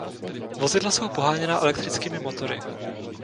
Vozidla jsou poháněna elektrickými motory.